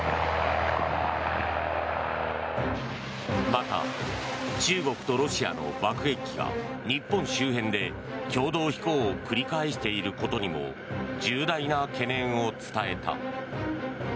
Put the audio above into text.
また、中国とロシアの爆撃機が日本周辺で共同飛行を繰り返していることにも重大な懸念を伝えた。